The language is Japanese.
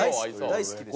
大好きです。